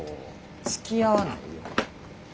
つきあわないよ。